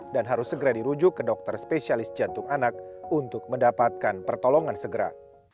dan harus segera dirujuk ke dokter spesialis jantung anak untuk mendapatkan pertolongan segera